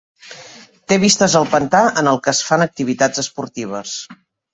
Té vistes al pantà, en el que es fan activitats esportives.